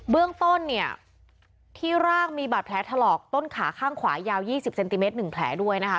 เรื่องต้นเนี่ยที่ร่างมีบาดแผลถลอกต้นขาข้างขวายาว๒๐เซนติเมตร๑แผลด้วยนะคะ